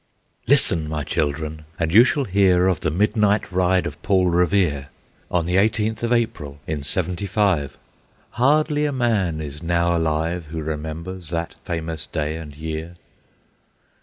Listen, my children, and you shall hear Of the midnight ride of Paul Revere, On the eighteenth of April, in Seventy five; Hardly a man is now alive Who remembers that famous day and year.